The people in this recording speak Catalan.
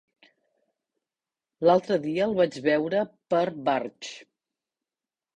L'altre dia el vaig veure per Barx.